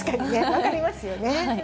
分かりますよね。